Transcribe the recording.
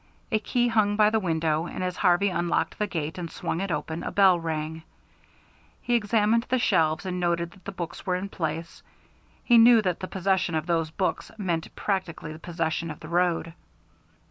A key hung by the window, and as Harvey unlocked the gate and swung it open, a bell rang. He examined the shelves, and noted that the books were in place. He knew that the possession of those books meant practically the possession of the road.